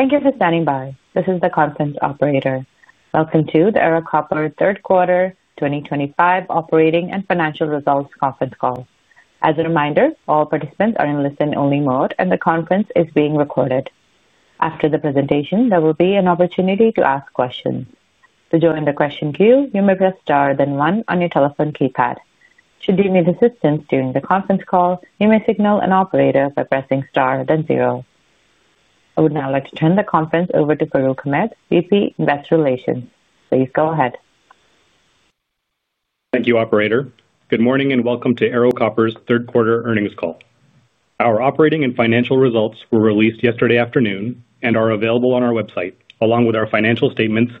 Thank you for standing by. This is the conference operator. Welcome to the Ero Copper Third Quarter 2025 Operating and Financial Results Conference Call. As a reminder, all participants are in listen-only mode, and the conference is being recorded. After the presentation, there will be an opportunity to ask questions. To join the question queue, you may press star then one on your telephone keypad. Should you need assistance during the conference call, you may signal an operator by pressing star then zero. I would now like to turn the conference over to Farouk Ahmed, VP Investor Relations. Please go ahead. Thank you, Operator. Good morning and welcome to Ero Copper's Third Quarter Earnings Call. Our operating and financial results were released yesterday afternoon and are available on our website, along with our financial statements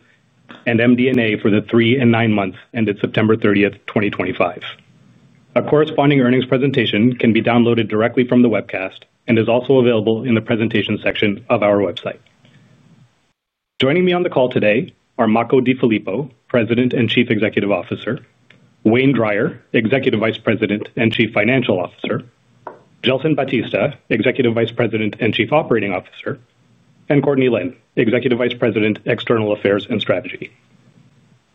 and MD&A for the three and nine months ended September 30, 2025. A corresponding earnings presentation can be downloaded directly from the webcast and is also available in the presentation section of our website. Joining me on the call today are Makko DeFilippo, President and Chief Executive Officer; Wayne Drier, Executive Vice President and Chief Financial Officer; Gelson Batista, Executive Vice President and Chief Operating Officer; and Courtney Lynn, Executive Vice President, External Affairs and Strategy.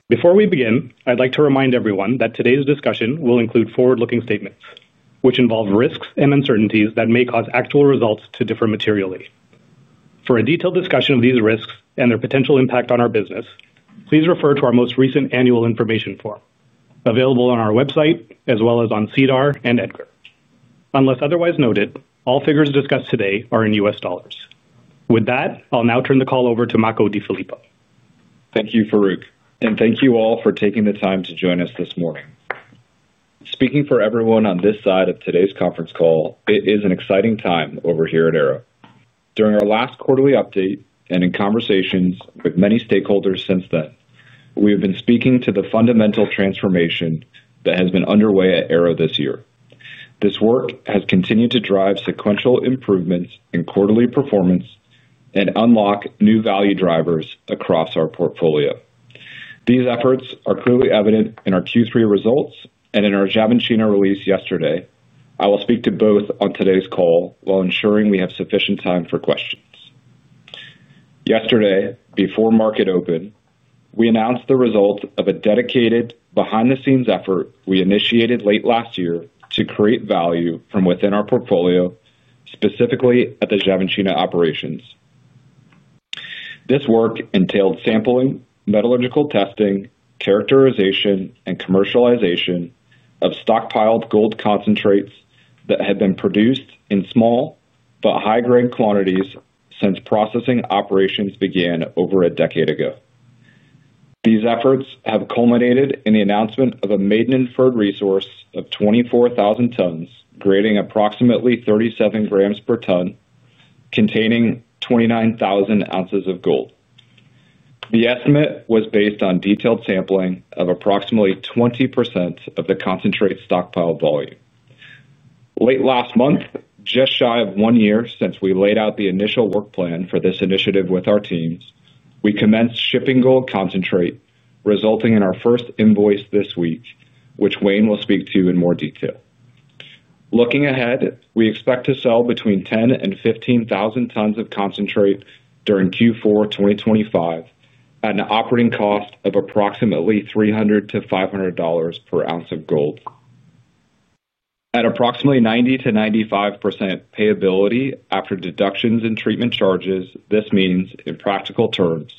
Before we begin, I'd like to remind everyone that today's discussion will include forward-looking statements, which involve risks and uncertainties that may cause actual results to differ materially. For a detailed discussion of these risks and their potential impact on our business, please refer to our most recent annual information form, available on our website as well as on SEDAR and EDGAR. Unless otherwise noted, all figures discussed today are in U.S. dollars. With that, I'll now turn the call over to Makko DeFilippo. Thank you, Farouk, and thank you all for taking the time to join us this morning. Speaking for everyone on this side of today's conference call, it is an exciting time over here at Ero. During our last quarterly update and in conversations with many stakeholders since then, we have been speaking to the fundamental transformation that has been underway at Ero this year. This work has continued to drive sequential improvements in quarterly performance and unlock new value drivers across our portfolio. These efforts are clearly evident in our Q3 results and in our Jab and Chino release yesterday. I will speak to both on today's call while ensuring we have sufficient time for questions. Yesterday, before market open, we announced the results of a dedicated behind-the-scenes effort we initiated late last year to create value from within our portfolio, specifically at the Jab and Chino operations. This work entailed sampling, metallurgical testing, characterization, and commercialization of stockpiled gold concentrates that had been produced in small but high-grade quantities since processing operations began over a decade ago. These efforts have culminated in the announcement of a maiden-inferred resource of 24,000 tons, grading approximately 37 grams per ton, containing 29,000 ounces of gold. The estimate was based on detailed sampling of approximately 20% of the concentrate stockpile volume. Late last month, just shy of one year since we laid out the initial work plan for this initiative with our teams, we commenced shipping gold concentrate, resulting in our first invoice this week, which Wayne will speak to in more detail. Looking ahead, we expect to sell between 10,000 and 15,000 tons of concentrate during Q4 2025 at an operating cost of approximately $300-$500 per ounce of gold. At approximately 90%-95% payability after deductions and treatment charges, this means, in practical terms,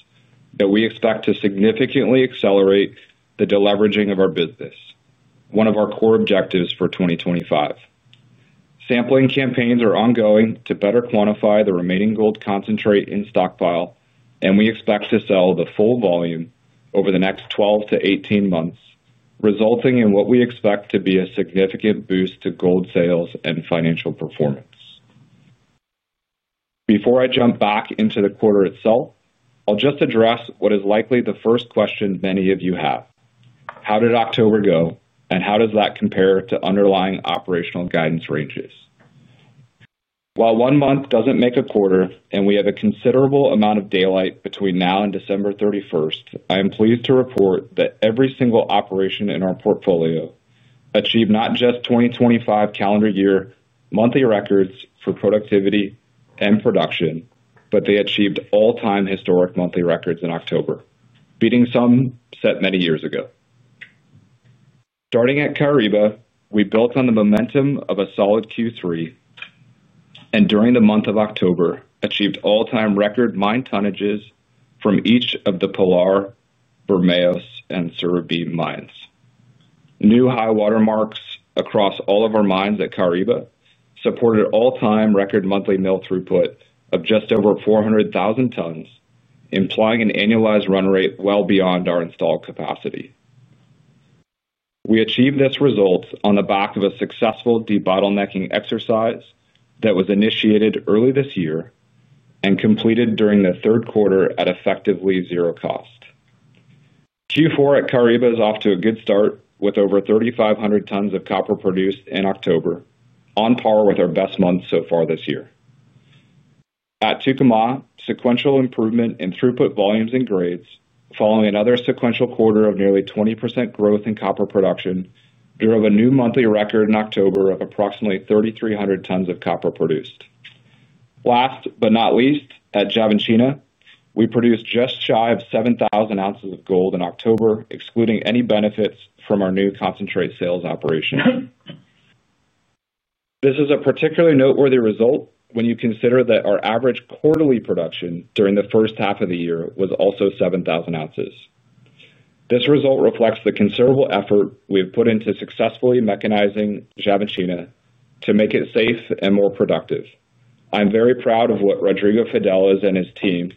that we expect to significantly accelerate the deleveraging of our business, one of our core objectives for 2025. Sampling campaigns are ongoing to better quantify the remaining gold concentrate in stockpile. We expect to sell the full volume over the next 12-18 months, resulting in what we expect to be a significant boost to gold sales and financial performance. Before I jump back into the quarter itself, I'll just address what is likely the first question many of you have: How did October go, and how does that compare to underlying operational guidance ranges? While one month doesn't make a quarter and we have a considerable amount of daylight between now and December 31, I am pleased to report that every single operation in our portfolio achieved not just 2025 calendar year monthly records for productivity and production, but they achieved all-time historic monthly records in October, beating some set many years ago. Starting at Caraíba, we built on the momentum of a solid Q3. During the month of October, achieved all-time record mine tonnages from each of the Pilar, Vermelho, and Surubim mines. New high watermarks across all of our mines at Caraíba supported all-time record monthly mill throughput of just over 400,000 tons, implying an annualized run rate well beyond our installed capacity. We achieved this result on the back of a successful debottlenecking exercise that was initiated early this year and completed during the third quarter at effectively zero cost. Q4 at Caraíba is off to a good start with over 3,500 tons of copper produced in October, on par with our best month so far this year. At Tucumã, sequential improvement in throughput volumes and grades, following another sequential quarter of nearly 20% growth in copper production, drove a new monthly record in October of approximately 3,300 tons of copper produced. Last but not least, at Xavantina, we produced just shy of 7,000 ounces of gold in October, excluding any benefits from our new concentrate sales operation. This is a particularly noteworthy result when you consider that our average quarterly production during the first half of the year was also 7,000 ounces. This result reflects the considerable effort we have put into successfully mechanizing Xavantina to make it safe and more productive. I'm very proud of what Rodrigo Fidelis and his team.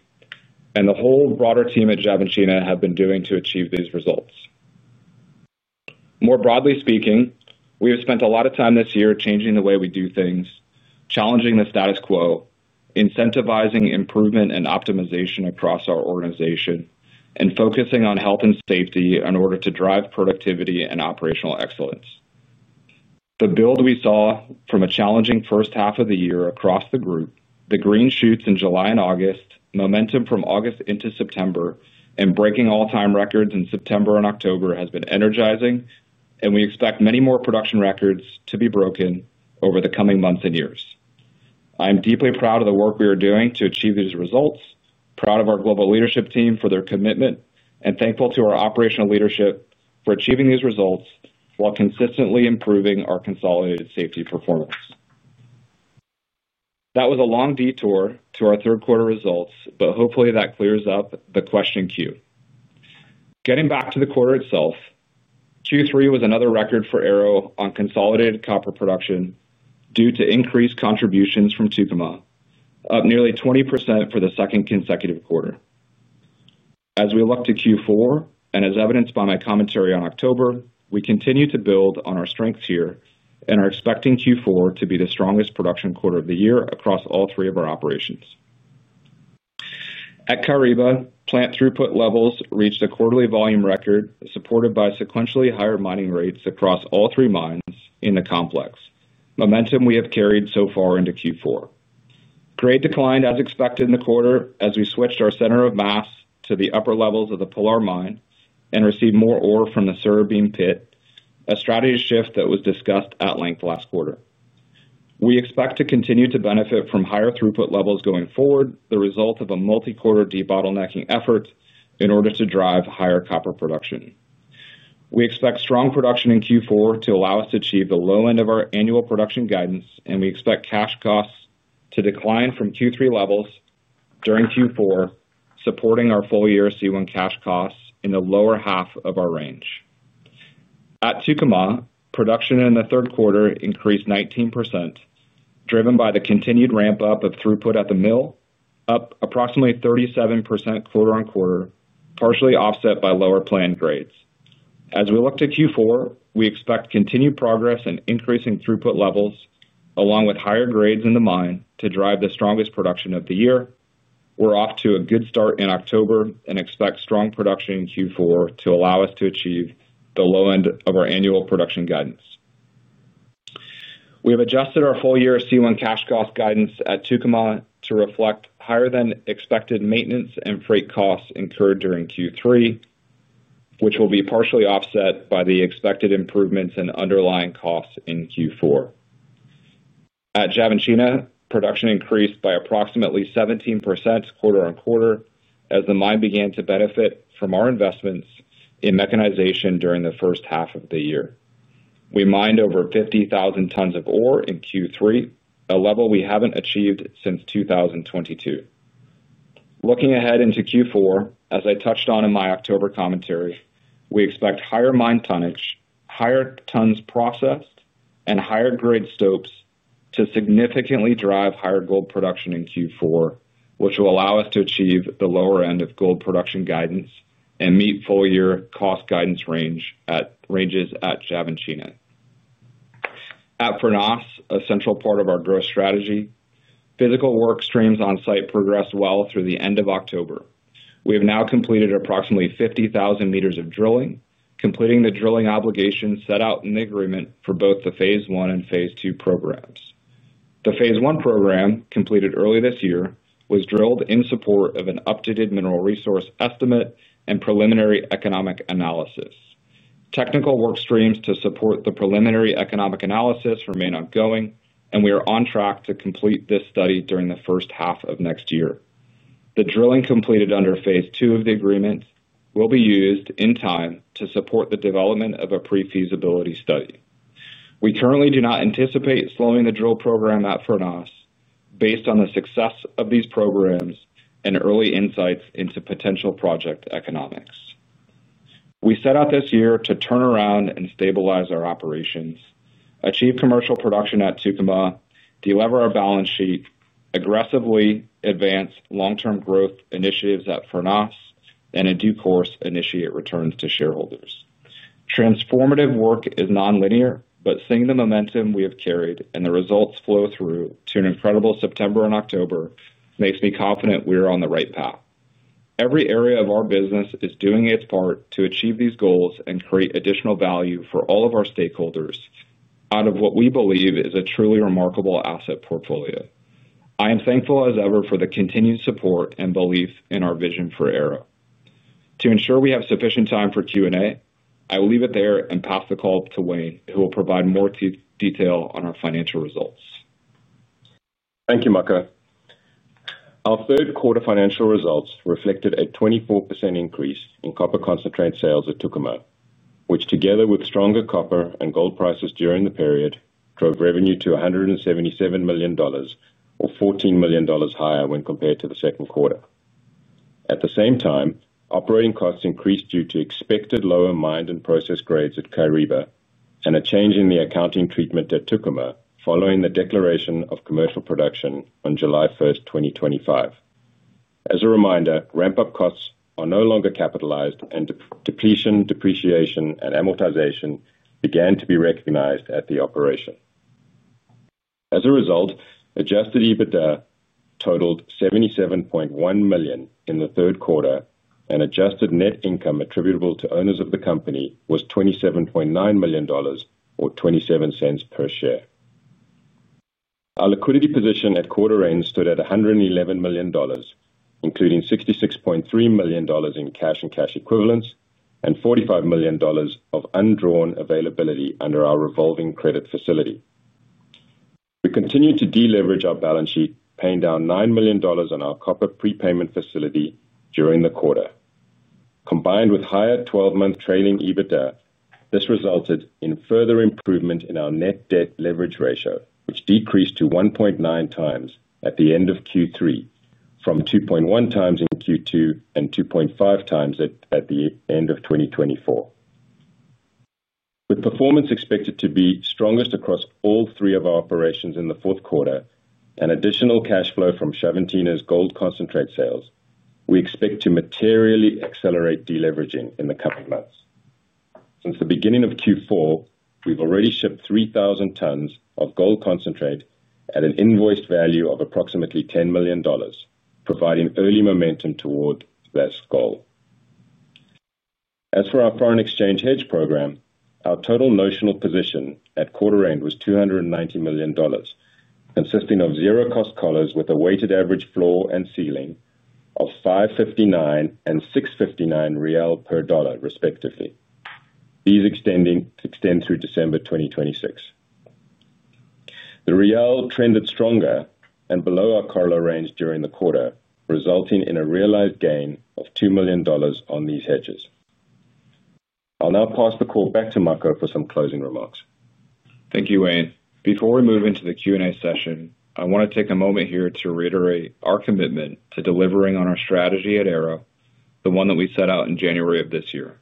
The whole broader team at Caraíba and Xavantina have been doing to achieve these results. More broadly speaking, we have spent a lot of time this year changing the way we do things, challenging the status quo, incentivizing improvement and optimization across our organization, and focusing on health and safety in order to drive productivity and operational excellence. The build we saw from a challenging first half of the year across the group, the green shoots in July and August, momentum from August into September, and breaking all-time records in September and October has been energizing, and we expect many more production records to be broken over the coming months and years. I am deeply proud of the work we are doing to achieve these results, proud of our global leadership team for their commitment, and thankful to our operational leadership for achieving these results while consistently improving our consolidated safety performance. That was a long detour to our third quarter results, but hopefully that clears up the question queue. Getting back to the quarter itself, Q3 was another record for Ero on consolidated copper production due to increased contributions from Tucumã, up nearly 20% for the second consecutive quarter. As we look to Q4, and as evidenced by my commentary on October, we continue to build on our strengths here and are expecting Q4 to be the strongest production quarter of the year across all three of our operations. At Caraíba, plant throughput levels reached a quarterly volume record supported by sequentially higher mining rates across all three mines in the complex, momentum we have carried so far into Q4. Grade declined as expected in the quarter as we switched our center of mass to the upper levels of the Pilar mine and received more ore from the Surubim pit, a strategy shift that was discussed at length last quarter. We expect to continue to benefit from higher throughput levels going forward, the result of a multi-quarter debottlenecking effort in order to drive higher copper production. We expect strong production in Q4 to allow us to achieve the low end of our annual production guidance, and we expect cash costs to decline from Q3 levels during Q4, supporting our full year C1 cash costs in the lower half of our range. At Tucumã, production in the third quarter increased 19%. Driven by the continued ramp-up of throughput at the mill, up approximately 37% quarter on quarter, partially offset by lower planned grades. As we look to Q4, we expect continued progress in increasing throughput levels along with higher grades in the mine to drive the strongest production of the year. We're off to a good start in October and expect strong production in Q4 to allow us to achieve the low end of our annual production guidance. We have adjusted our full year C1 cash cost guidance at Tucumã to reflect higher-than-expected maintenance and freight costs incurred during Q3, which will be partially offset by the expected improvements in underlying costs in Q4. At Xavantina, production increased by approximately 17% quarter on quarter as the mine began to benefit from our investments in mechanization during the first half of the year. We mined over 50,000 tons of ore in Q3, a level we have not achieved since 2022. Looking ahead into Q4, as I touched on in my October commentary, we expect higher mine tonnage, higher tons processed, and higher-grade stopes to significantly drive higher gold production in Q4, which will allow us to achieve the lower end of gold production guidance and meet full-year cost guidance ranges at Xavantina. At Furnas, a central part of our growth strategy, physical work streams on-site progressed well through the end of October. We have now completed approximately 50,000 meters of drilling, completing the drilling obligations set out in the agreement for both the phase one and phase two programs. The phase one program, completed early this year, was drilled in support of an updated mineral resource estimate and preliminary economic analysis. Technical work streams to support the preliminary economic analysis remain ongoing, and we are on track to complete this study during the first half of next year. The drilling completed under phase two of the agreement will be used in time to support the development of a pre-feasibility study. We currently do not anticipate slowing the drill program at Furnas based on the success of these programs and early insights into potential project economics. We set out this year to turn around and stabilize our operations, achieve commercial production at Tucumã, deliver our balance sheet, aggressively advance long-term growth initiatives at Furnas, and in due course initiate returns to shareholders. Transformative work is non-linear, but seeing the momentum we have carried and the results flow through to an incredible September and October makes me confident we are on the right path. Every area of our business is doing its part to achieve these goals and create additional value for all of our stakeholders out of what we believe is a truly remarkable asset portfolio. I am thankful as ever for the continued support and belief in our vision for Ero. To ensure we have sufficient time for Q&A, I will leave it there and pass the call to Wayne, who will provide more detail on our financial results. Thank you, Makko. Our third quarter financial results reflected a 24% increase in copper concentrate sales at Tucumã, which, together with stronger copper and gold prices during the period, drove revenue to $177 million, or $14 million higher when compared to the second quarter. At the same time, operating costs increased due to expected lower mine and process grades at Caraíba and a change in the accounting treatment at Tucumã following the declaration of commercial production on July 1, 2025. As a reminder, ramp-up costs are no longer capitalized, and depletion, depreciation, and amortization began to be recognized at the operation. As a result, adjusted EBITDA totaled $77.1 million in the third quarter, and adjusted net income attributable to owners of the company was $27.9 million, or $0.27 per share. Our liquidity position at quarter end stood at $111 million, including $66.3 million in cash and cash equivalents and $45 million of undrawn availability under our revolving credit facility. We continued to deleverage our balance sheet, paying down $9 million on our copper prepayment facility during the quarter. Combined with higher 12-month trailing EBITDA, this resulted in further improvement in our net debt leverage ratio, which decreased to 1.9 times at the end of Q3, from 2.1 times in Q2 and 2.5 times at the end of 2022. With performance expected to be strongest across all three of our operations in the fourth quarter and additional cash flow from Xavantina's gold concentrate sales, we expect to materially accelerate deleveraging in the coming months. Since the beginning of Q4, we've already shipped 3,000 tons of gold concentrate at an invoiced value of approximately $10 million, providing early momentum toward that goal. As for our foreign exchange hedge program, our total notional position at quarter end was $290 million, consisting of zero-cost collars with a weighted average floor and ceiling of 5.59 and 6.59 Brazilian real per dollar, respectively. These extend through December 2026. The real trended stronger and below our collar range during the quarter, resulting in a realized gain of $2 million on these hedges. I'll now pass the call back to Makko for some closing remarks. Thank you, Wayne. Before we move into the Q&A session, I want to take a moment here to reiterate our commitment to delivering on our strategy at Ero, the one that we set out in January of this year.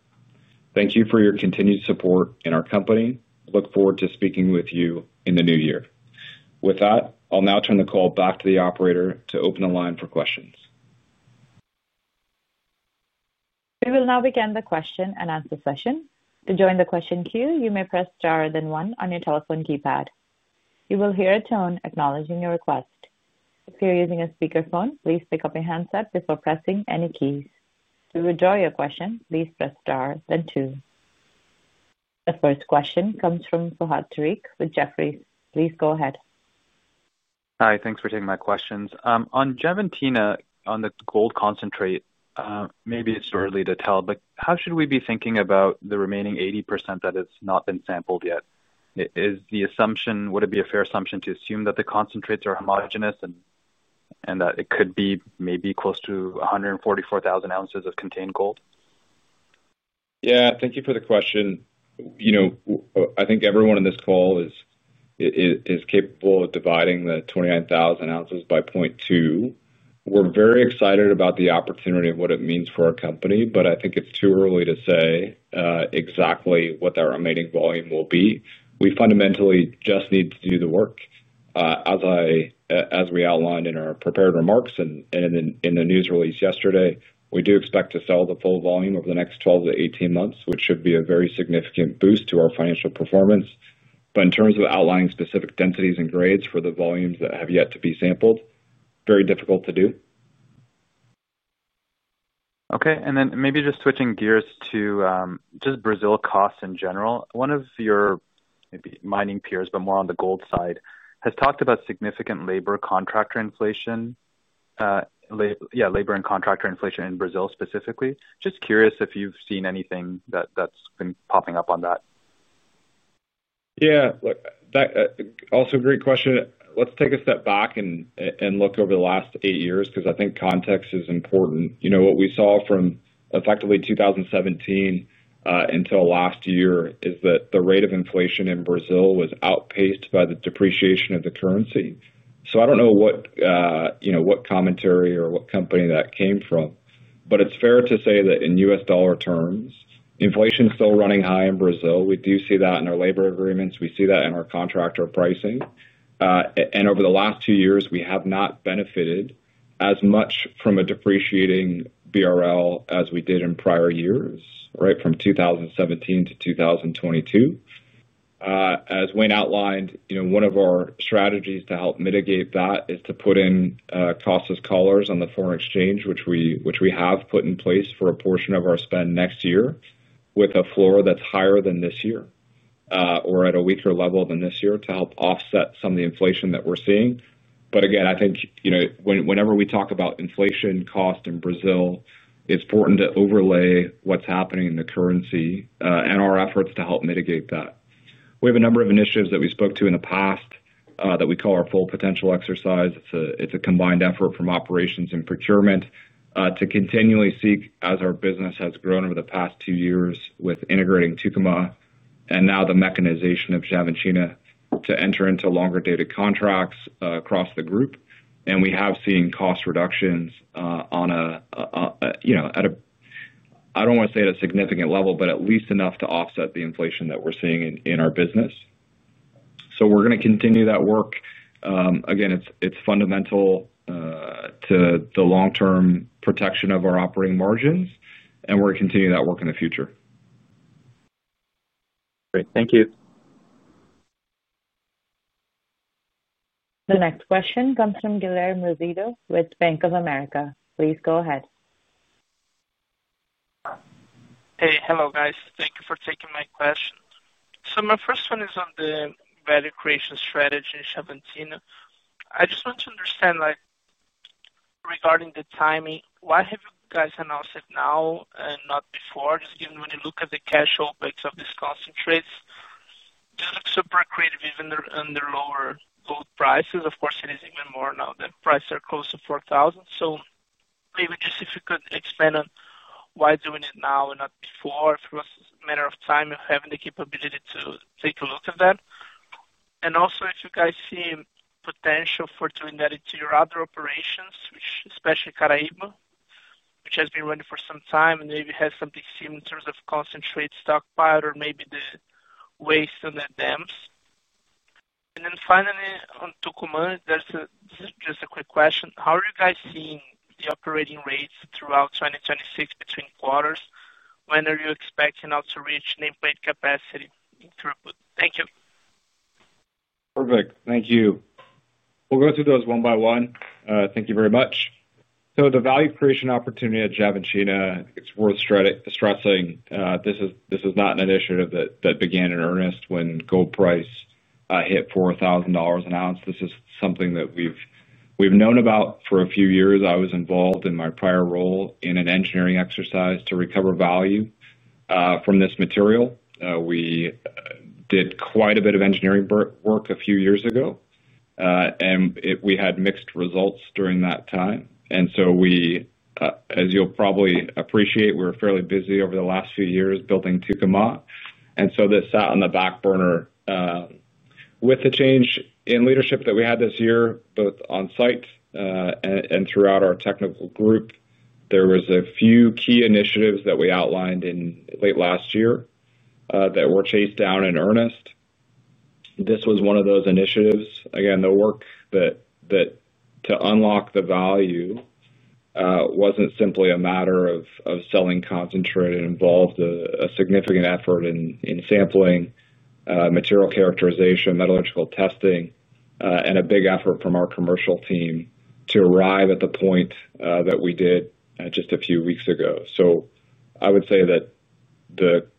Thank you for your continued support in our company. Look forward to speaking with you in the new year. With that, I'll now turn the call back to the operator to open the line for questions. We will now begin the question and answer session. To join the question queue, you may press star then one on your telephone keypad. You will hear a tone acknowledging your request. If you're using a speakerphone, please pick up your handset before pressing any keys. To withdraw your question, please press star then two. The first question comes from Fahad Tariq with Jefferies. Please go ahead. Hi. Thanks for taking my questions. On Xavantina, on the gold concentrate, maybe it's too early to tell, but how should we be thinking about the remaining 80% that has not been sampled yet? Is the assumption, would it be a fair assumption to assume that the concentrates are homogenous and that it could be maybe close to 144,000 ounces of contained gold? Yeah. Thank you for the question. I think everyone on this call is capable of dividing the 29,000 ounces by 0.2. We're very excited about the opportunity and what it means for our company, but I think it's too early to say exactly what that remaining volume will be. We fundamentally just need to do the work. As we outlined in our prepared remarks and in the news release yesterday, we do expect to sell the full volume over the next 12-18 months, which should be a very significant boost to our financial performance. In terms of outlining specific densities and grades for the volumes that have yet to be sampled, very difficult to do. Okay. Maybe just switching gears to Brazil costs in general. One of your mining peers, but more on the gold side, has talked about significant labor contractor inflation. Yeah, labor and contractor inflation in Brazil specifically. Just curious if you've seen anything that's been popping up on that. Yeah. Also, great question. Let's take a step back and look over the last eight years because I think context is important. What we saw from effectively 2017 until last year is that the rate of inflation in Brazil was outpaced by the depreciation of the currency. I don't know what commentary or what company that came from, but it's fair to say that in U.S. dollar terms, inflation is still running high in Brazil. We do see that in our labor agreements. We see that in our contractor pricing. Over the last two years, we have not benefited as much from a depreciating BRL as we did in prior years, right, from 2017 to 2022. As Wayne outlined, one of our strategies to help mitigate that is to put in costless collars on the foreign exchange, which we have put in place for a portion of our spend next year with a floor that is higher than this year, or at a weaker level than this year to help offset some of the inflation that we are seeing. Again, I think whenever we talk about inflation cost in Brazil, it is important to overlay what is happening in the currency and our efforts to help mitigate that. We have a number of initiatives that we spoke to in the past that we call our full potential exercise. It's a combined effort from operations and procurement to continually seek, as our business has grown over the past two years with integrating Tucumã and now the mechanization of Xavantina, to enter into longer-dated contracts across the group. We have seen cost reductions on a, I don't want to say at a significant level, but at least enough to offset the inflation that we're seeing in our business. We are going to continue that work. Again, it's fundamental to the long-term protection of our operating margins, and we are going to continue that work in the future. Great. Thank you. The next question comes from Guilherme Rosito with Bank of America. Please go ahead. Hey, hello, guys. Thank you for taking my question. My first one is on the value creation strategy in Xavantina. I just want to understand regarding the timing. Why have you guys announced it now and not before? Just given when you look at the cash OpEx of these concentrates. They look super accretive even under lower gold prices. Of course, it is even more now that prices are close to $4,000. Maybe just if you could expand on why doing it now and not before, if it was a matter of time of having the capability to take a look at that. Also, if you guys see potential for doing that into your other operations, especially Caraíba, which has been running for some time and maybe has something seen in terms of concentrate stockpile or maybe the waste on the dams. Finally, on Tucumã, there's just a quick question. How are you guys seeing the operating rates throughout 2026 between quarters? When are you expecting out to reach nameplate capacity? Thank you. Perfect. Thank you. We'll go through those one by one. Thank you very much. The value creation opportunity at Xavantina, it's worth stressing. This is not an initiative that began in earnest when gold price hit $4,000 an ounce. This is something that we've known about for a few years. I was involved in my prior role in an engineering exercise to recover value from this material. We did quite a bit of engineering work a few years ago, and we had mixed results during that time. As you'll probably appreciate, we were fairly busy over the last few years building Tucumã, and this sat on the back burner. With the change in leadership that we had this year, both on-site and throughout our technical group, there were a few key initiatives that we outlined in late last year that were chased down in earnest. This was one of those initiatives. Again, the work that, to unlock the value, was not simply a matter of selling concentrate. It involved a significant effort in sampling, material characterization, metallurgical testing, and a big effort from our commercial team to arrive at the point that we did just a few weeks ago. I would say that,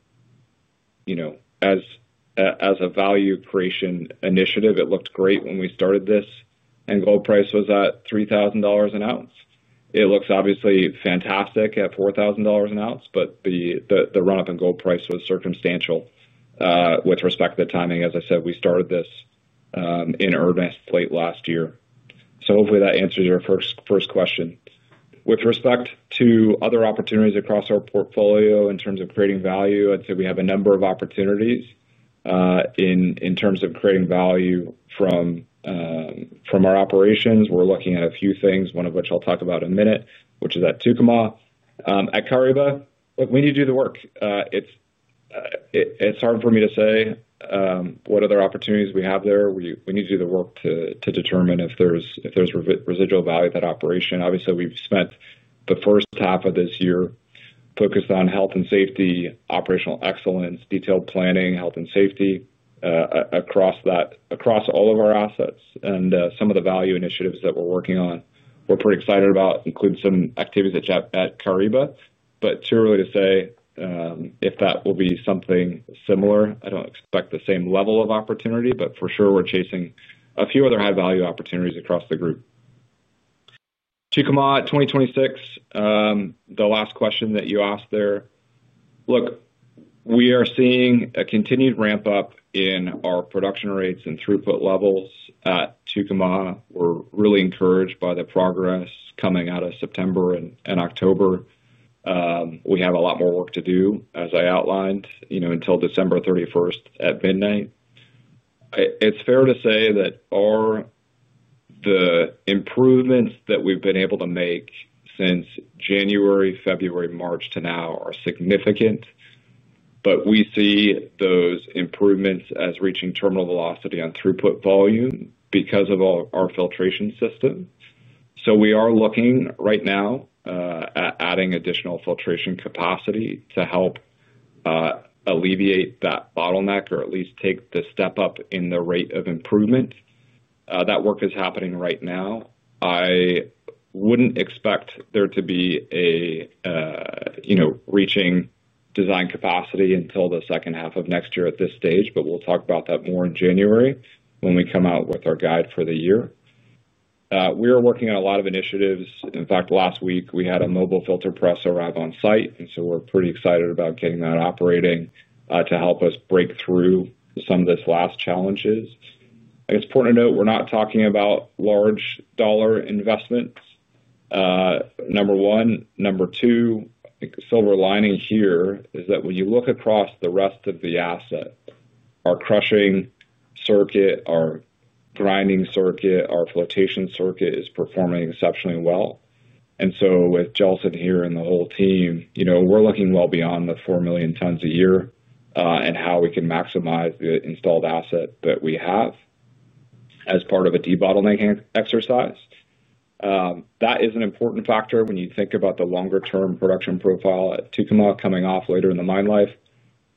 as a value creation initiative, it looked great when we started this, and gold price was at $3,000 an ounce. It looks obviously fantastic at $4,000 an ounce, but the run-up in gold price was circumstantial with respect to the timing. As I said, we started this in earnest late last year. Hopefully that answers your first question. With respect to other opportunities across our portfolio in terms of creating value, I would say we have a number of opportunities in terms of creating value from our operations. We're looking at a few things, one of which I'll talk about in a minute, which is at Tucumã. At Caraíba, look, we need to do the work. It's hard for me to say what other opportunities we have there. We need to do the work to determine if there's residual value at that operation. Obviously, we've spent the first half of this year focused on health and safety, operational excellence, detailed planning, health and safety across all of our assets. Some of the value initiatives that we're working on, we're pretty excited about, include some activities at Caraíba. Too early to say if that will be something similar. I don't expect the same level of opportunity, but for sure, we're chasing a few other high-value opportunities across the group. Tucumã, 2026. The last question that you asked there. Look, we are seeing a continued ramp-up in our production rates and throughput levels at Tucumã. We're really encouraged by the progress coming out of September and October. We have a lot more work to do, as I outlined, until December 31 at midnight. It's fair to say that. The improvements that we've been able to make since January, February, March to now are significant. We see those improvements as reaching terminal velocity on throughput volume because of our filtration system. We are looking right now at adding additional filtration capacity to help alleviate that bottleneck or at least take the step up in the rate of improvement. That work is happening right now. I wouldn't expect there to be a. Reaching design capacity until the second half of next year at this stage, but we'll talk about that more in January when we come out with our guide for the year. We are working on a lot of initiatives. In fact, last week, we had a mobile filter press arrive on-site, and so we're pretty excited about getting that operating to help us break through some of those last challenges. I guess it's important to note we're not talking about large-dollar investments. Number one. Number two, I think the silver lining here is that when you look across the rest of the asset, our crushing circuit, our grinding circuit, our flotation circuit is performing exceptionally well. And so with Gelson here and the whole team, we're looking well beyond the 4 million tons a year and how we can maximize the installed asset that we have. As part of a debottleneck exercise. That is an important factor when you think about the longer-term production profile at Tucumã coming off later in the mine life.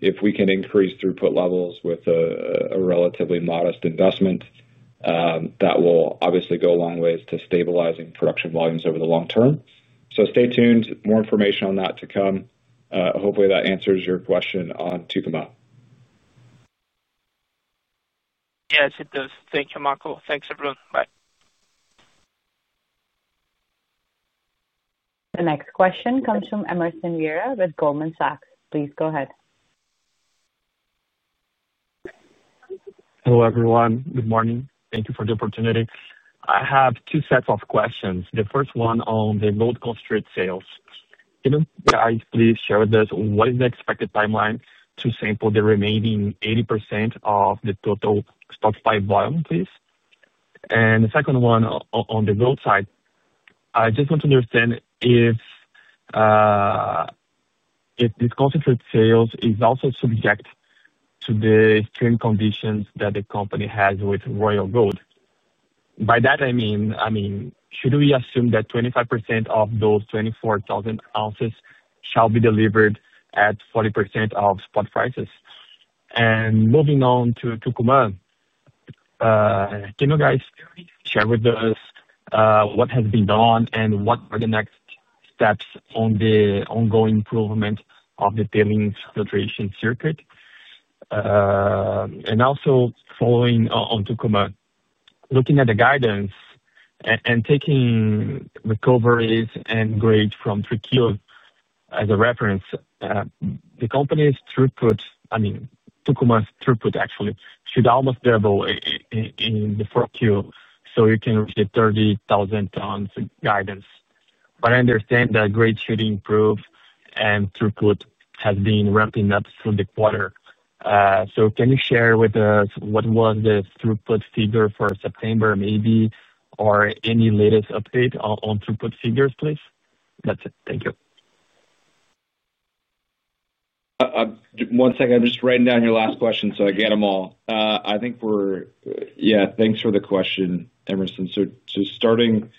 If we can increase throughput levels with a relatively modest investment, that will obviously go a long way to stabilizing production volumes over the long term. Stay tuned. More information on that to come. Hopefully, that answers your question on Tucumã. Yes, it does. Thank you, Makko. Thanks, everyone. Bye. The next question comes from Emerson Viera with Goldman Sachs. Please go ahead. Hello, everyone. Good morning. Thank you for the opportunity. I have two sets of questions. The first one on the gold concentrate sales. Can you guys please share with us what is the expected timeline to sample the remaining 80% of the total stockpile volume, please? The second one on the gold side, I just want to understand if this concentrate sales is also subject to the stream conditions that the company has with Royal Gold. By that, I mean, should we assume that 25% of those 24,000 ounces shall be delivered at 40% of spot prices? Moving on to Tucumã, can you guys share with us what has been done and what are the next steps on the ongoing improvement of the tailings filtration circuit? Also, following on Tucumã, looking at the guidance and taking recoveries and grades from 3 kilos as a reference, the company's throughput, I mean, Tucumã's throughput, actually, should almost double in the 4 kilos so you can reach the 30,000-tons guidance. I understand that grades should improve and throughput has been ramping up through the quarter. Can you share with us what was the throughput figure for September, maybe, or any latest update on throughput figures, please? That's it. Thank you. One second. I'm just writing down your last question so I get them all. I think we're, yeah, thanks for the question, Emerson. Starting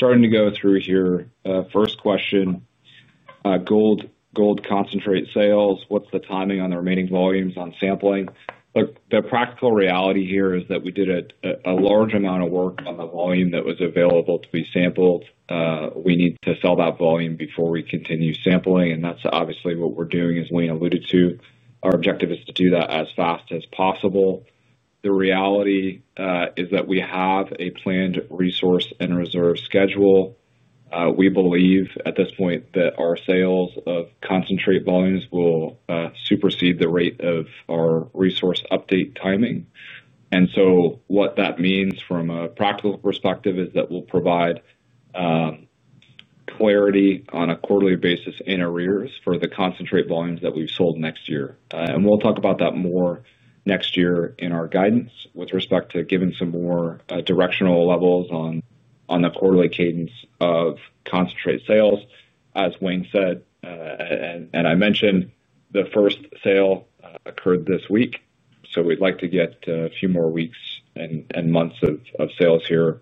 to go through here, first question. Gold concentrate sales, what's the timing on the remaining volumes on sampling? Look, the practical reality here is that we did a large amount of work on the volume that was available to be sampled. We need to sell that volume before we continue sampling. That's obviously what we're doing, as Wayne alluded to. Our objective is to do that as fast as possible. The reality is that we have a planned resource and reserve schedule. We believe at this point that our sales of concentrate volumes will supersede the rate of our resource update timing. What that means from a practical perspective is that we will provide clarity on a quarterly basis in arrears for the concentrate volumes that we have sold next year. We will talk about that more next year in our guidance with respect to giving some more directional levels on the quarterly cadence of concentrate sales. As Wayne said, and I mentioned, the first sale occurred this week. We would like to get a few more weeks and months of sales here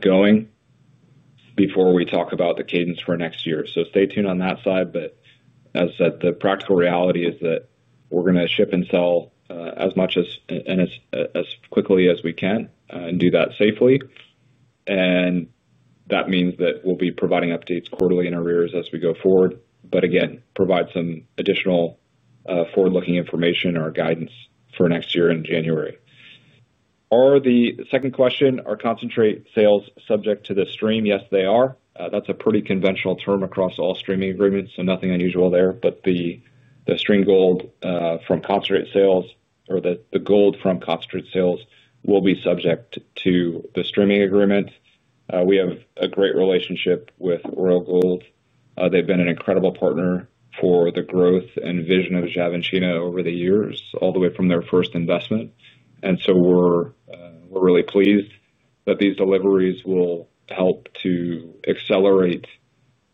going before we talk about the cadence for next year. Stay tuned on that side. As I said, the practical reality is that we are going to ship and sell as much as, and as quickly as we can, and do that safely. That means that we'll be providing updates quarterly in arrears as we go forward. Again, provide some additional forward-looking information in our guidance for next year in January. The second question, are concentrate sales subject to the stream? Yes, they are. That's a pretty conventional term across all streaming agreements, so nothing unusual there. The stream gold from concentrate sales or the gold from concentrate sales will be subject to the streaming agreement. We have a great relationship with Royal Gold. They've been an incredible partner for the growth and vision of Xavantina over the years, all the way from their first investment. We're really pleased that these deliveries will help to accelerate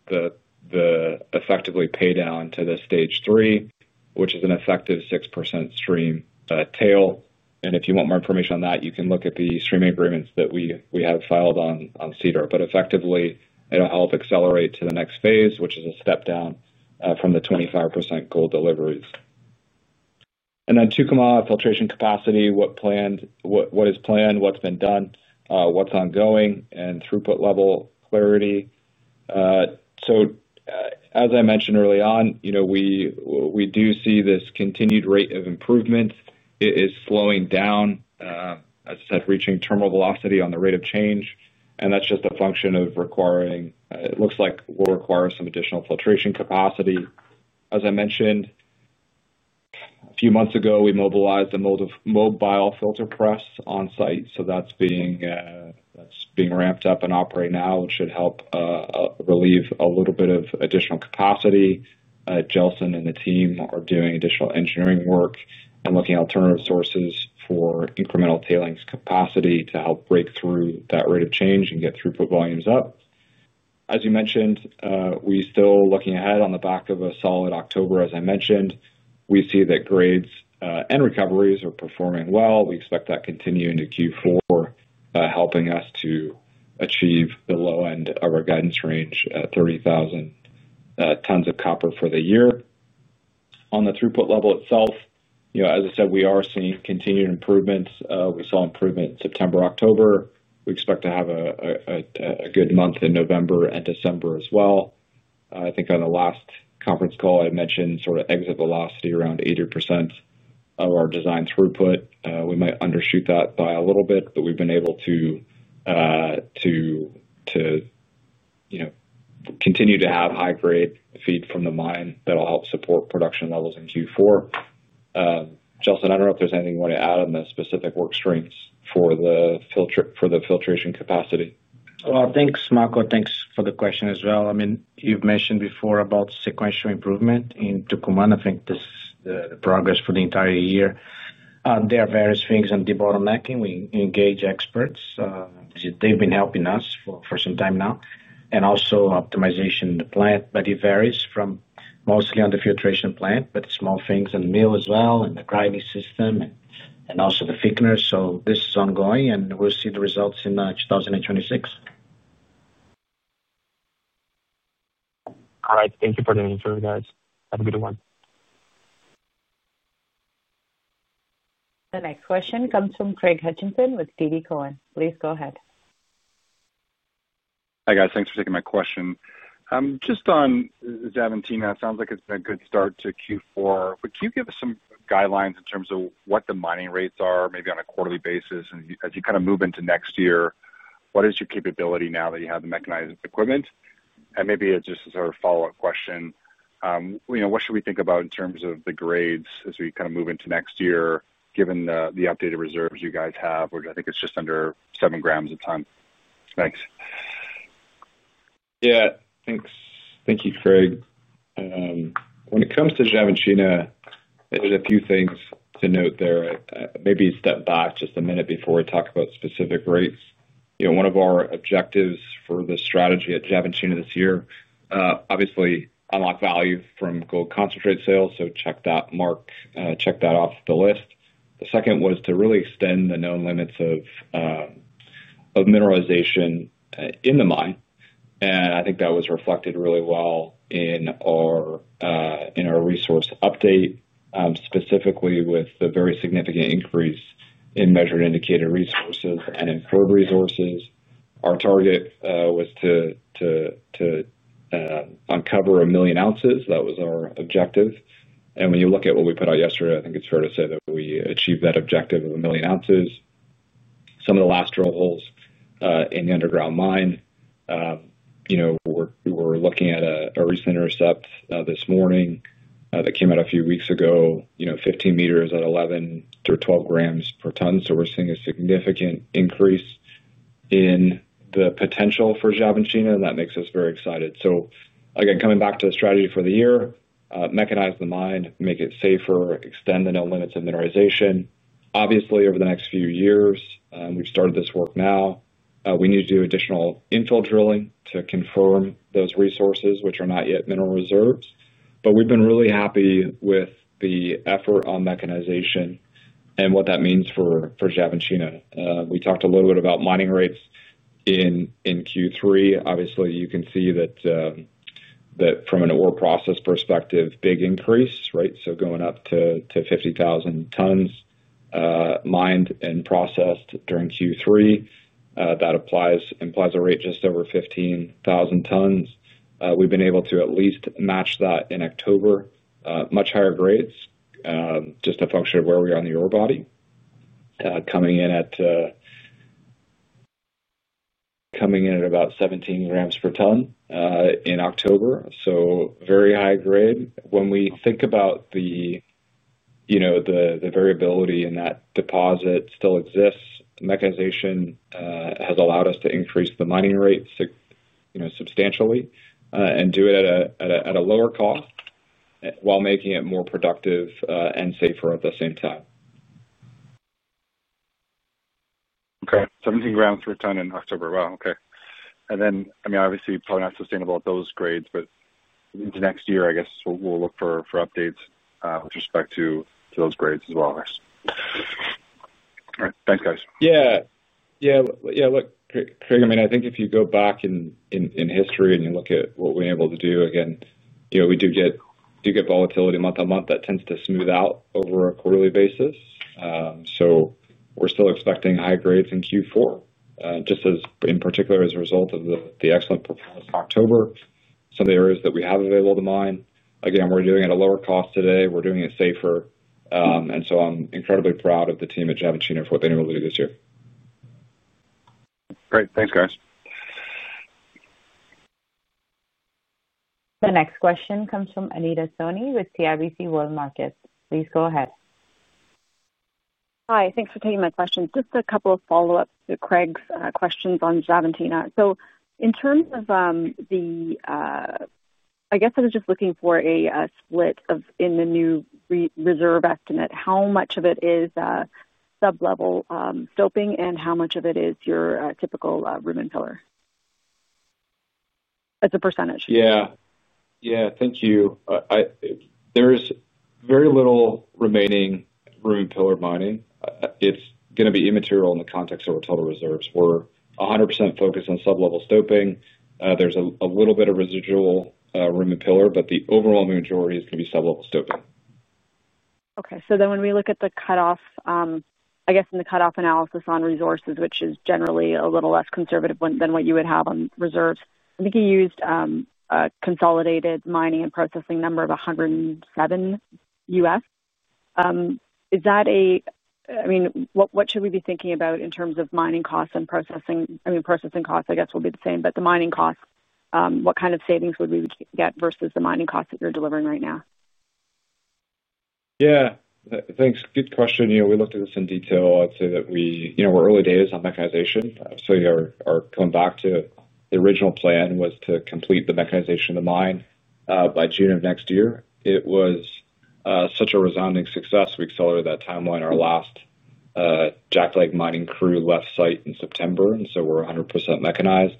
the effectively paydown to the stage three, which is an effective 6% stream tail. If you want more information on that, you can look at the streaming agreements that we have filed on SEDAR. Effectively, it will help accelerate to the next phase, which is a step down from the 25% gold deliveries. Tucumã, filtration capacity, what is planned, what has been done, what is ongoing, and throughput level clarity. As I mentioned early on, we do see this continued rate of improvement. It is slowing down. As I said, reaching terminal velocity on the rate of change. That is just a function of requiring—it looks like we will require some additional filtration capacity. As I mentioned, a few months ago, we mobilized a mobile filter press on-site. That is being ramped up and operating now, which should help relieve a little bit of additional capacity. Gelson and the team are doing additional engineering work and looking at alternative sources for incremental tailings capacity to help break through that rate of change and get throughput volumes up. As you mentioned, we're still looking ahead on the back of a solid October. As I mentioned, we see that grades and recoveries are performing well. We expect that to continue into Q4. Helping us to achieve the low end of our guidance range at 30,000 tons of copper for the year. On the throughput level itself, as I said, we are seeing continued improvements. We saw improvement in September, October. We expect to have a good month in November and December as well. I think on the last conference call, I mentioned sort of exit velocity around 80% of our design throughput. We might undershoot that by a little bit, but we've been able to. Continue to have high-grade feed from the mine that'll help support production levels in Q4. Gelson, I don't know if there's anything you want to add on the specific work streams for the filtration capacity. Thanks, Makko. Thanks for the question as well. I mean, you've mentioned before about sequential improvement in Tucumã. I think this is the progress for the entire year. There are various things on debottlenecking. We engage experts. They've been helping us for some time now. Also, optimization in the plant. It varies, mostly on the filtration plant, but small things on mill as well and the grinding system and also the thickener. This is ongoing, and we'll see the results in 2026. All right. Thank you for the answer, guys. Have a good one. The next question comes from Craig Hutchison with TD Cowen. Please go ahead. Hi, guys. Thanks for taking my question. Just on Xavantina, it sounds like it's been a good start to Q4. Can you give us some guidelines in terms of what the mining rates are, maybe on a quarterly basis? As you kind of move into next year, what is your capability now that you have the mechanized equipment? Maybe just a sort of follow-up question. What should we think about in terms of the grades as we kind of move into next year, given the updated reserves you guys have, which I think is just under 7 grams at the time? Thanks. Yeah. Thank you, Craig. When it comes to Xavantina, there are a few things to note there. Maybe step back just a minute before we talk about specific rates. One of our objectives for the strategy at Xavantina this year, obviously, unlock value from gold concentrate sales. Check that mark, check that off the list. The second was to really extend the known limits of mineralization in the mine. I think that was reflected really well in our resource update, specifically with the very significant increase in measured indicated resources and inferred resources. Our target was to uncover 1 million ounces. That was our objective. When you look at what we put out yesterday, I think it is fair to say that we achieved that objective of 1 million ounces. Some of the last holes in the underground mine, we were looking at a recent intercept this morning that came out a few weeks ago, 15 meters at 11-12 grams per ton. We're seeing a significant increase in the potential for Xavantina, and that makes us very excited. Again, coming back to the strategy for the year, mechanize the mine, make it safer, extend the known limits of mineralization. Obviously, over the next few years, we've started this work now. We need to do additional infill drilling to confirm those resources, which are not yet mineral reserves. We've been really happy with the effort on mechanization and what that means for Xavantina. We talked a little bit about mining rates in Q3. Obviously, you can see that. From an ore process perspective, big increase, right? Going up to 50,000 tons mined and processed during Q3. That implies a rate just over 15,000 tons. We've been able to at least match that in October, much higher grades. Just a function of where we are on the ore body. Coming in at about 17 grams per ton in October. So very high grade. When we think about the variability and that deposit still exists, mechanization has allowed us to increase the mining rates substantially and do it at a lower cost, while making it more productive and safer at the same time. Okay. 17 grams per ton in October. Wow. Okay. I mean, obviously, probably not sustainable at those grades, but next year, I guess, we will look for updates with respect to those grades as well. All right. Thanks, guys. Yeah. Yeah. Look, Craig, I mean, I think if you go back in history and you look at what we are able to do, again, we do get volatility month-on-month that tends to smooth out over a quarterly basis. We're still expecting high grades in Q4, just in particular as a result of the excellent performance in October. Some of the areas that we have available to mine, again, we're doing it at a lower cost today. We're doing it safer. I'm incredibly proud of the team at Xavantina for what they've been able to do this year. Great. Thanks, guys. The next question comes from Anita Soni with CIBC World Markets. Please go ahead. Hi. Thanks for taking my questions. Just a couple of follow-ups to Craig's questions on Xavantina. In terms of the, I guess I was just looking for a split in the new reserve estimate. How much of it is sublevel stoping and how much of it is your typical room and pillar as a percentage? Yeah. Yeah. Thank you. There's very little remaining room and pillar mining. It's going to be immaterial in the context of our total reserves. We're 100% focused on sublevel stoping. There's a little bit of residual room and pillar, but the overall majority is going to be sublevel stoping. Okay. So then when we look at the cutoff, I guess in the cutoff analysis on resources, which is generally a little less conservative than what you would have on reserves, I think you used a consolidated mining and processing number of $107 U.S. Is that a—I mean, what should we be thinking about in terms of mining costs and processing? I mean, processing costs, I guess, will be the same. But the mining costs, what kind of savings would we get versus the mining costs that you're delivering right now? Yeah. Thanks. Good question. We looked at this in detail. I'd say that we're early days on mechanization. We are coming back to the original plan was to complete the mechanization of the mine by June of next year. It was such a resounding success. We accelerated that timeline. Our last jackleg mining crew left site in September, and so we're 100% mechanized.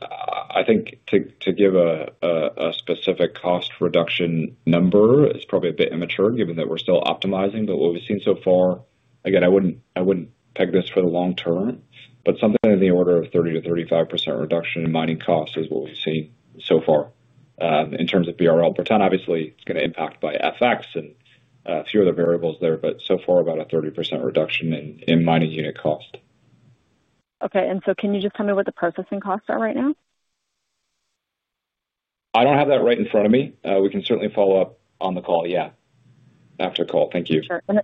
I think to give a specific cost reduction number is probably a bit immature, given that we're still optimizing. What we've seen so far, again, I wouldn't peg this for the long term, but something in the order of 30-35% reduction in mining costs is what we've seen so far in terms of BRL per ton. Obviously, it's going to impact by FX and a few other variables there, but so far about a 30% reduction in mining unit cost. Okay. Can you just tell me what the processing costs are right now? I don't have that right in front of me. We can certainly follow up on the call, yeah, after the call. Thank you. Sure. Okay.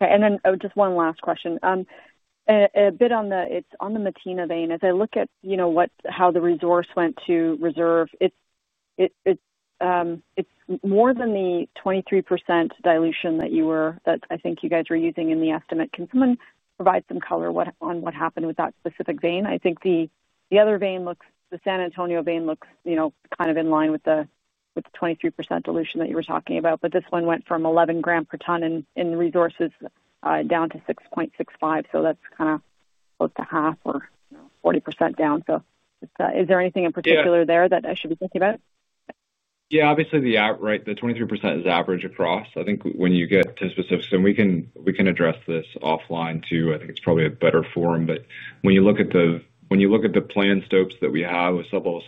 And then just one last question. A bit on the Matina vein, as I look at how the resource went to reserve. It's more than the 23% dilution that I think you guys were using in the estimate. Can someone provide some color on what happened with that specific vein? I think the other vein, the San Antonio vein, looks kind of in line with the 23% dilution that you were talking about. But this one went from 11 grams per ton in resources down to 6.65. So that's kind of close to half or 40% down. Is there anything in particular there that I should be thinking about? Yeah. Obviously, the 23% is average across. I think when you get to specifics—and we can address this offline too—I think it's probably a better form. When you look at the planned stopes that we have with sublevel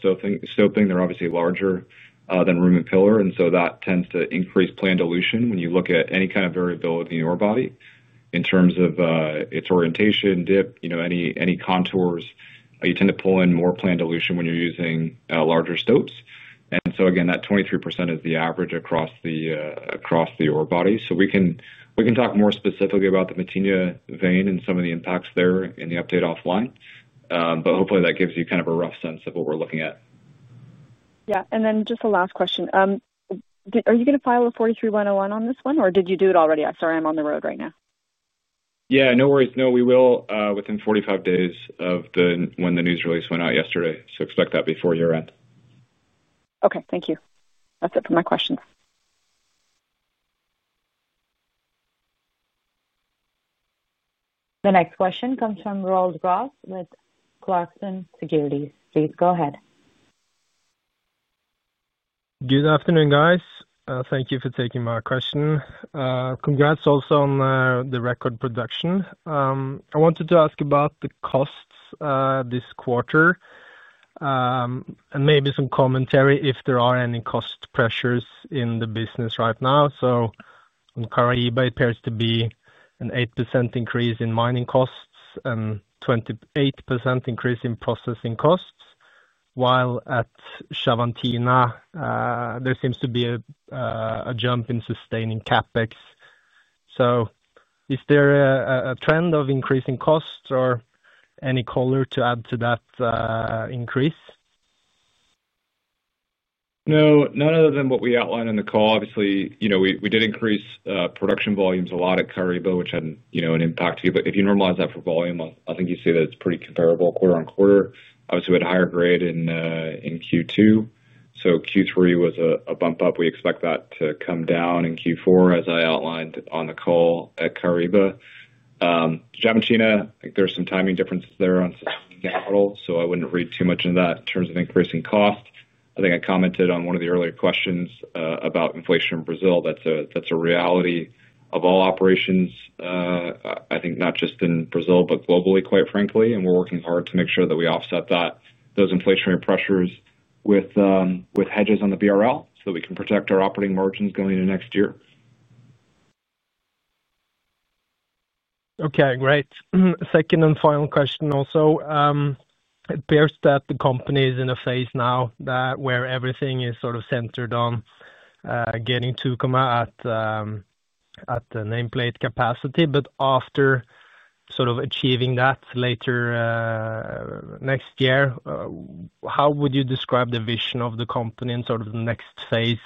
stoping, they're obviously larger than room and pillar. That tends to increase planned dilution when you look at any kind of variability in ore body in terms of its orientation, dip, any contours. You tend to pull in more planned dilution when you're using larger stopes. Again, that 23% is the average across the ore body. We can talk more specifically about the Matina vein and some of the impacts there in the update offline. Hopefully, that gives you kind of a rough sense of what we're looking at. Yeah. And then just a last question. Are you going to file a 43-101 on this one, or did you do it already? I'm sorry. I'm on the road right now. Yeah. No worries. No, we will within 45 days of when the news release went out yesterday. So expect that before year-end. Okay. Thank you. That's it for my questions. The next question comes from Rose Ross with Clarkson Security. Please go ahead. Good afternoon, guys. Thank you for taking my question. Congrats also on the record production. I wanted to ask about the costs this quarter. And maybe some commentary if there are any cost pressures in the business right now. On Caraíba, it appears to be an 8% increase in mining costs and a 28% increase in processing costs. While at Xavantina, there seems to be a jump in sustaining CapEx. Is there a trend of increasing costs or any color to add to that increase? No, none other than what we outlined in the call. Obviously, we did increase production volumes a lot at Caraíba, which had an impact too. If you normalize that for volume, I think you see that it is pretty comparable quarter on quarter. Obviously, we had a higher grade in Q2. Q3 was a bump-up. We expect that to come down in Q4, as I outlined on the call at Caraíba. Xavantina, I think there are some timing differences there on sustaining capital. I would not read too much into that in terms of increasing cost. I think I commented on one of the earlier questions about inflation in Brazil. That is a reality of all operations. I think not just in Brazil, but globally, quite frankly. We're working hard to make sure that we offset those inflationary pressures with hedges on the BRL so that we can protect our operating margins going into next year. Okay. Great. Second and final question also. It appears that the company is in a phase now where everything is sort of centered on getting to come out at the nameplate capacity. But after sort of achieving that later next year, how would you describe the vision of the company and sort of the next phase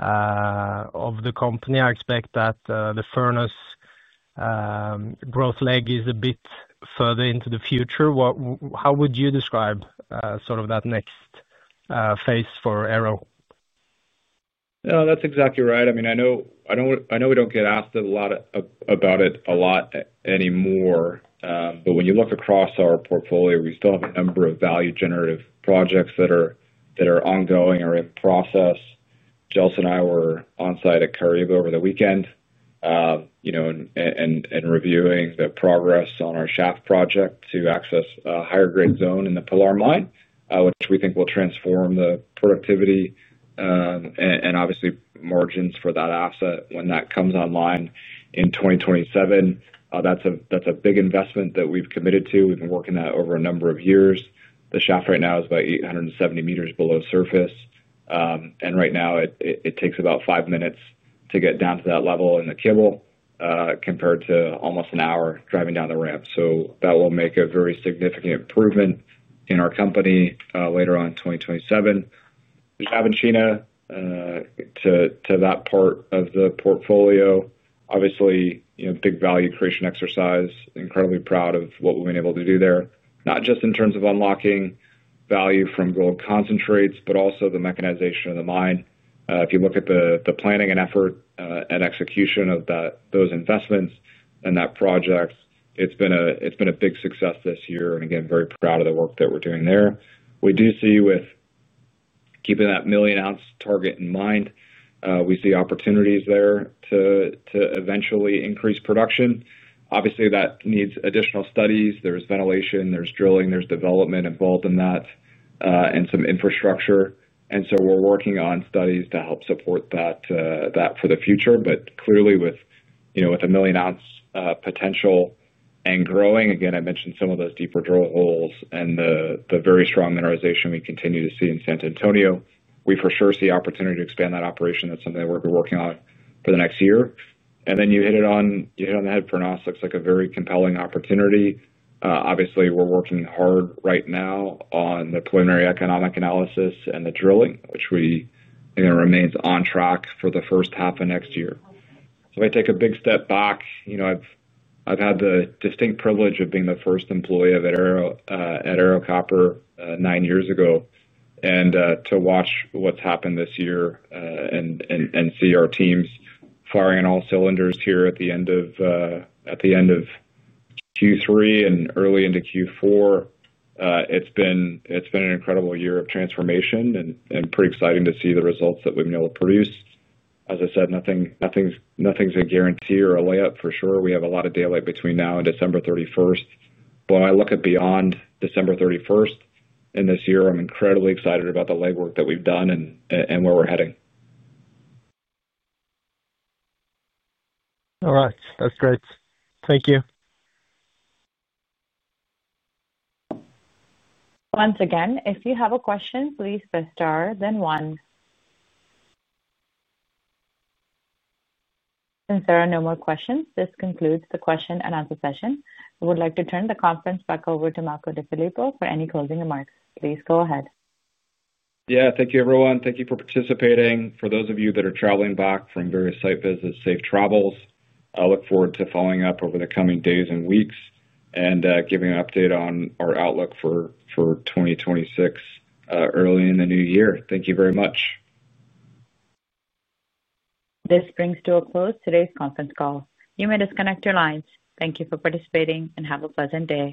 of the company? I expect that the Furnas growth leg is a bit further into the future. How would you describe sort of that next phase for Ero? No, that's exactly right. I mean, I know we don't get asked about it a lot anymore. When you look across our portfolio, we still have a number of value-generative projects that are ongoing or in process. Gelson and I were on site at Caraíba over the weekend, reviewing the progress on our shaft project to access a higher-grade zone in the Pilar mine, which we think will transform the productivity and obviously margins for that asset when that comes online in 2027. That is a big investment that we have committed to. We have been working on that over a number of years. The shaft right now is about 870 meters below surface, and right now, it takes about five minutes to get down to that level in the cage compared to almost an hour driving down the ramp. That will make a very significant improvement in our company later on in 2027. That part of the portfolio is obviously a big value creation exercise. Incredibly proud of what we have been able to do there, not just in terms of unlocking value from gold concentrates, but also the mechanization of the mine. If you look at the planning and effort and execution of those investments and that project, it has been a big success this year. Again, very proud of the work that we are doing there. We do see, with keeping that million-ounce target in mind, we see opportunities there to eventually increase production. Obviously, that needs additional studies. There is ventilation, there is drilling, there is development involved in that, and some infrastructure. We are working on studies to help support that for the future. Clearly, with a million-ounce potential and growing, again, I mentioned some of those deeper drill holes and the very strong mineralization we continue to see in San Antonio, we for sure see opportunity to expand that operation. That's something that we'll be working on for the next year. You hit it on the head for an honest. Looks like a very compelling opportunity. Obviously, we're working hard right now on the preliminary economic analysis and the drilling, which again remains on track for the first half of next year. If I take a big step back, I've had the distinct privilege of being the first employee of Ero at Ero Copper nine years ago and to watch what's happened this year. To see our teams firing on all cylinders here at the end of Q3 and early into Q4. It's been an incredible year of transformation and pretty exciting to see the results that we've been able to produce. As I said, nothing's a guarantee or a layup for sure. We have a lot of daylight between now and December 31. When I look at beyond December 31 in this year, I'm incredibly excited about the legwork that we've done and where we're heading. All right. That's great. Thank you. Once again, if you have a question, please press star, then one. Since there are no more questions, this concludes the question and answer session. I would like to turn the conference back over to Makko DeFilippo for any closing remarks. Please go ahead. Yeah. Thank you, everyone. Thank you for participating. For those of you that are traveling back from various site visits, safe travels. I look forward to following up over the coming days and weeks and giving an update on our outlook for 2026 early in the new year. Thank you very much. This brings to a close today's conference call. You may disconnect your lines. Thank you for participating and have a pleasant day.